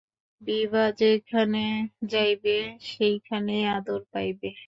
বিভা যেখানে যাইবে সেই খানেই আদর পাইবে।